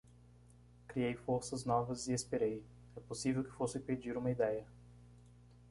Criei forças novas e esperei...é possível que fosse pedir uma ideia...